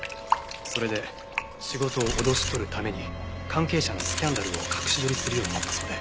それで仕事を脅し取るために関係者のスキャンダルを隠し撮りするようになったそうで。